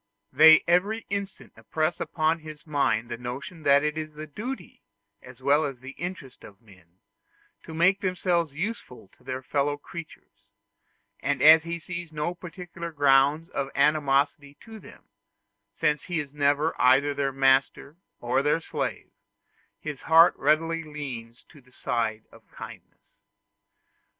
They every instant impress upon his mind the notion that it is the duty, as well as the interest of men, to make themselves useful to their fellow creatures; and as he sees no particular ground of animosity to them, since he is never either their master or their slave, his heart readily leans to the side of kindness.